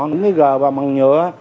những cái g bằng nhựa